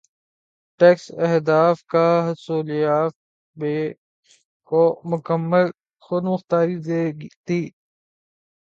tax اہداف کا حصولایف بی کو مکمل خود مختاری دے دی